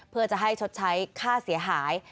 เพื่อจะให้ชดใช้ค่าเสียหาย